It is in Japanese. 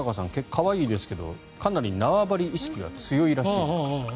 可愛いですけれどかなり縄張り意識が強いらしいです。